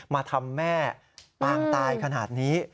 มาทำแม่ปางตายขนาดนี้